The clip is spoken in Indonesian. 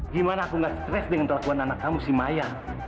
gimana aku gak stres dengan kelakuan anak kamu si maya